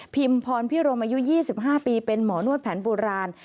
พรพิรมอายุ๒๕ปีเป็นหมอนวดแผนโบราณ